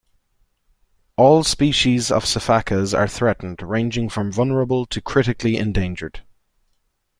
All species of sifakas are threatened, ranging from vulnerable to critically endangered.